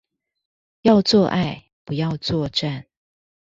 要做愛，不要作戰